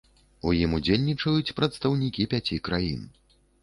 У ім удзельнічаюць прадстаўнікі пяці краін.